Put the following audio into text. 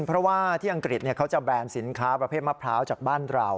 เพราะว่าที่อังกฤษเขาจะแบนสินค้าประเภทมะพร้าวจากบ้านเรา